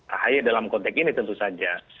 ahy dalam konteks ini tentu saja